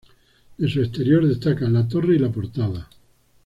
De su exterior destacan la torre y la portada.